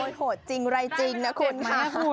มันโหดจริงอะไรจริงนะคุณค่ะ